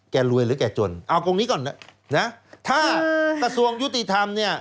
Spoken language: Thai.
รวยหรือแกจนเอาตรงนี้ก่อนนะถ้ากระทรวงยุติธรรมเนี่ย